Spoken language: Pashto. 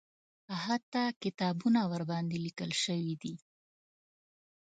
حتی کتابونه ورباندې لیکل شوي دي.